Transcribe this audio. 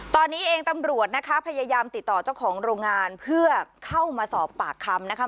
ตอนนี้เองตำรวจนะคะพยายามติดต่อเจ้าของโรงงานเพื่อเข้ามาสอบปากคำนะคะ